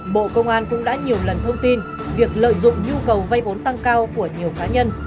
bộ công an cũng đã nhiều lần thông tin việc lợi dụng nhu cầu vay vốn tăng cao của nhiều cá nhân